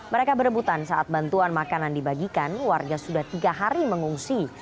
mereka berebutan saat bantuan makanan dibagikan warga sudah tiga hari mengungsi